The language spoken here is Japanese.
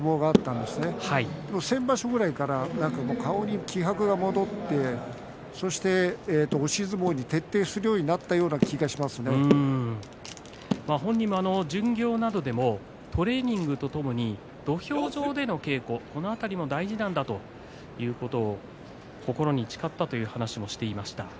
でも先場所くらいから顔に気迫が戻って押し相撲に徹底するように本人も巡業などでもトレーニングとともに土俵上での稽古この辺りも大事なんだということ心に誓ったという話もしていました。